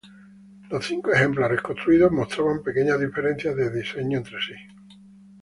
Los cinco ejemplares construidos mostraban pequeñas diferencias de diseño entre sí.